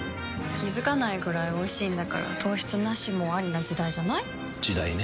気付かないくらいおいしいんだから糖質ナシもアリな時代じゃない？時代ね。